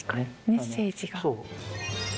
メッセージが。